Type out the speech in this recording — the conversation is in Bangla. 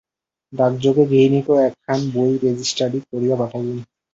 ডাকযোগে গৃহিণীকেও একখানা বই রেজেস্টারি করিয়া পাঠাইলেন।